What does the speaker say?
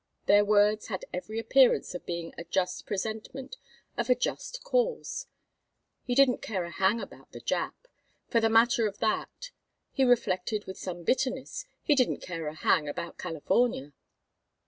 Their words had every appearance of being a just presentment of a just cause. He didn't care a hang about the "Jap." For the matter of that, he reflected with some bitterness, he didn't care a hang about California.